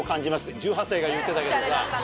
１８歳が言ってたけどさ。